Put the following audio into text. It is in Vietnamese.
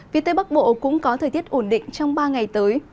phía tây bắc bộ cũng có thời tiết ổn định trong ba ngày tới